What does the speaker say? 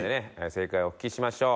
正解をお聞きしましょう。